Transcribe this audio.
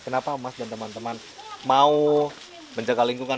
kenapa mas dan teman teman mau menjaga lingkungan